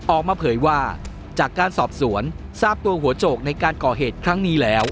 ออกมาเผยว่าจากการสอบสวนทราบตัวหัวโจกในการก่อเหตุครั้งนี้แล้ว